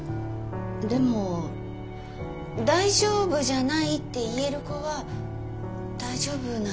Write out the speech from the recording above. でも「大丈夫じゃない」って言える子は大丈夫なんじゃない？